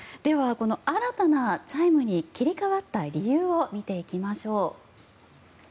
この新たなチャイムに切り替わった理由を見ていきましょう。